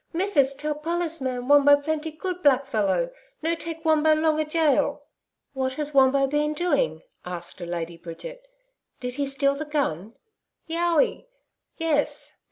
Mithis tell pollis man Wombo plenty good blackfellow. No take Wombo long a gaol.' 'What has Wombo been doing?' asked Lady Bridget. 'Did he steal the gun?' 'YOWI (yes).